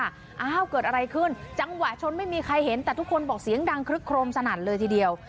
อ้าวเกิดอะไรขึ้นจังหวะชนไม่มีใครเห็นแต่ทุกคนบอกเสียงดังคลึกโครมสนั่นเลยทีเดียว